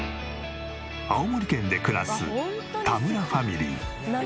青森県で暮らす田村ファミリー。